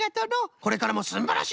これからもすんばらしい